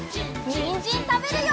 にんじんたべるよ！